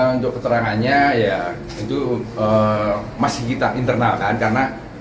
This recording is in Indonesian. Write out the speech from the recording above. untuk keterangannya ya itu masih kita internalkan karena